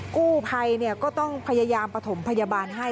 กู้ภัยก็ต้องพยายามประถมพยาบาลให้